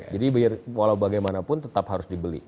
jadi walaubagaimanapun tetap harus dibeli